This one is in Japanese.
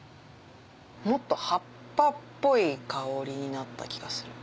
もっと葉っぱっぽい香りになった気がする。